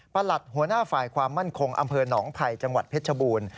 หัวหน้าฝ่ายความมั่นคงอำเภอหนองไผ่จังหวัดเพชรบูรณ์